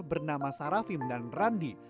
bernama sarafim dan randi